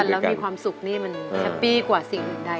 อยู่ด้วยกันแล้วมีความสุขนี่มันแชปปี้กว่าสิ่งอื่นใดนะคะ